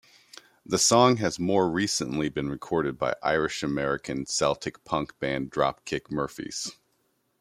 The song has more recently been recorded by Irish-American Celtic punk band Dropkick Murphys.